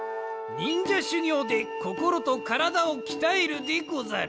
にんじゃしゅぎょうでこころとからだをきたえるでござる。